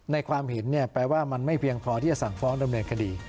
ความเห็นแปลว่ามันไม่เพียงพอที่จะสั่งฟ้องดำเนินคดี